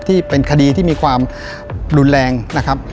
ที่เป็นคดีที่มีความรุนแรงนะครับ